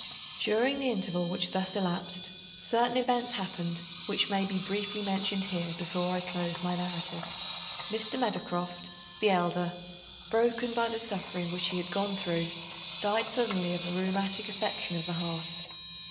During the interval which thus elapsed, certain events happened which may be briefly mentioned here before I close my narrative. Mr. Meadowcroft the elder, broken by the suffering which he had gone through, died suddenly of a rheumatic affection of the heart.